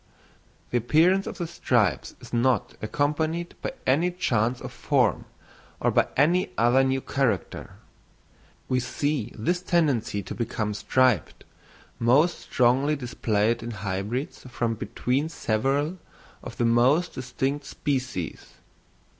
The appearance of the stripes is not accompanied by any change of form, or by any other new character. We see this tendency to become striped most strongly displayed in hybrids from between several of the most distinct species.